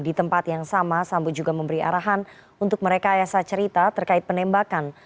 di tempat yang sama sambo juga memberi arahan untuk merekayasa cerita terkait penembakan